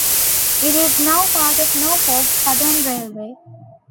It is now part of Norfolk Southern Railway.